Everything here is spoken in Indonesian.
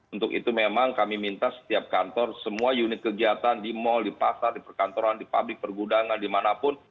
untuk itu memang kami minta setiap kantor semua unit kegiatan di mal di pasar di perkantoran di pabrik pergudangan dimanapun